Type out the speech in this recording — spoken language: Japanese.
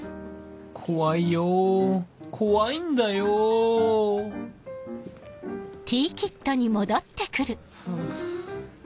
怖いよ怖いんだよハァ。